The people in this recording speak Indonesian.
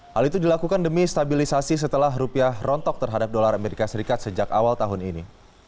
hal itu dilakukan demi stabilisasi setelah rupiah rontok terhadap dolar amerika serikat sejak awal tahun ini